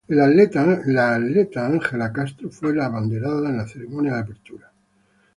La atleta Ángela Castro fue la abanderada en la ceremonia de apertura.